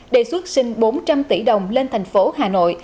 đề xuất sinh bốn trăm linh tỷ đồng lên thành phố hà nội